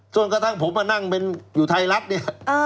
จนกระทั่งผมมานั่งนะครับอยู่ไทยทรัพย์